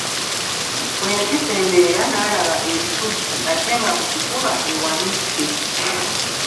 Bwe yagisemberera, n'alaba ebikuzzi ate nga mu kifuba ewanidde.